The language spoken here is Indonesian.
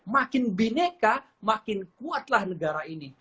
makin bineka makin kuatlah negara ini